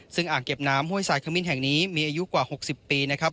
ซึ่งอ่างเก็บน้ำห้วยสายขมิ้นแห่งนี้มีอายุกว่า๖๐ปีนะครับ